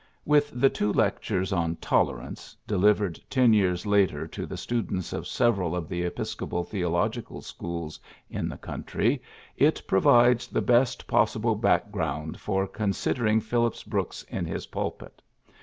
With the two lectures on Tolerance, delivered ten years later to the students of several of the Episcopal theological schools in the country, it provides the best possi ble background for considering Phillips Brooks in his pulpit.